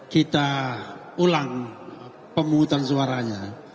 kita ulang pemungutan suaranya